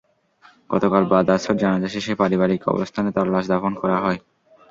গতকাল বাদ আসর জানাজা শেষে পারিবারিক কবরস্থানে তাঁর লাশ দাফন করা হয়।